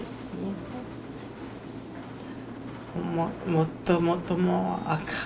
もっともっともうあかん。